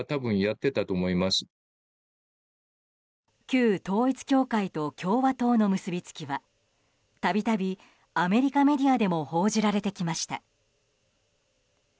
旧統一教会と共和党の結びつきは度々アメリカメディアでも報じられてきました。